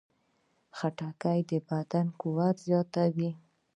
خټکی د بدن قوت زیاتوي.